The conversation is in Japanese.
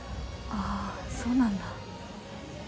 ああそうなんだ。